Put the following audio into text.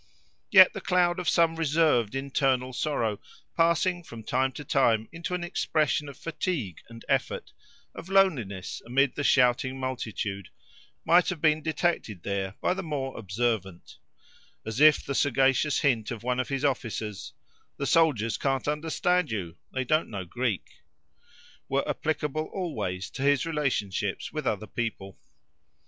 Yet the cloud of some reserved internal sorrow, passing from time to time into an expression of fatigue and effort, of loneliness amid the shouting multitude, might have been detected there by the more observant—as if the sagacious hint of one of his officers, "The soldiers can't understand you, they don't know Greek," were applicable always to his relationships with other people.